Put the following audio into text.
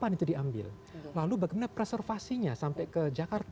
untuk pemilihan material dalam video itu